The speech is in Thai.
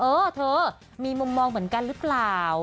เออเธอมีมุมมองเหมือนกันหรือเปล่า